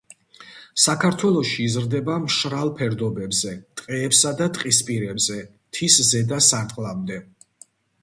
საქართველოში იზრდება მშრალ ფერდობებზე, ტყეებსა და ტყისპირებზე მთის ზედა სარტყლამდე.